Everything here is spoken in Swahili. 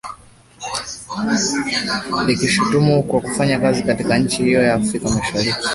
likilishutumu kwa kufanya kazi katika nchi hiyo ya Afrika Mashariki